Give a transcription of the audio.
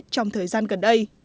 trong thời gian gần đây